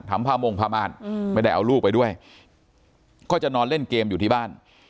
ผ้ามงผ้าม่านไม่ได้เอาลูกไปด้วยก็จะนอนเล่นเกมอยู่ที่บ้าน